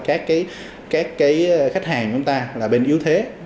các cái khách hàng của chúng ta là bên yếu thế